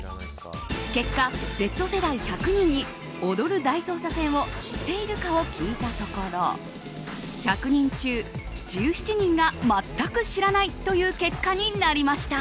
結果、Ｚ世代１００人に「踊る大捜査線」を知っているかを聞いたところ１００人中１７人が全く知らないという結果になりました。